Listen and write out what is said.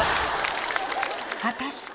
果たして。